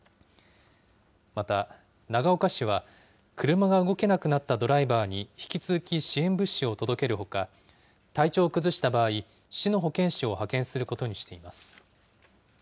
また、長岡市は、車が動けなくなったドライバーに引き続き支援物資を届けるほか、体調を崩した場合、市の保健師を派遣することにしています。